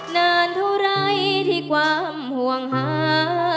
นานเท่าไรที่ความห่วงหา